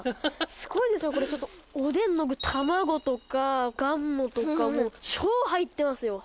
すごいでしょこれちょっとおでんの具卵とかがんもとか超入ってますよ